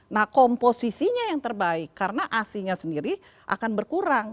nah komposisinya yang terbaik karena asinya sendiri akan berkurang